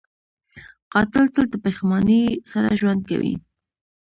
قاتل تل د پښېمانۍ سره ژوند کوي